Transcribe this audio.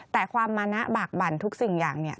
แต่ความมานะบากบั่นทุกสิ่งอย่างเนี่ย